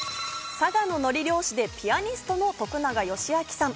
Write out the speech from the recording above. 佐賀ののり漁師でピアニストの徳永義昭さん。